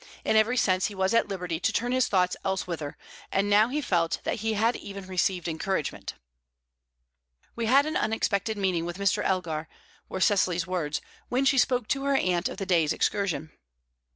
In every sense he was at liberty to turn his thoughts elsewhither, and now he felt that he had even received encouragement. "We had an unexpected meeting with Mr. Elgar," were Cecily's words, when she spoke to her aunt of the day's excursion. Mrs.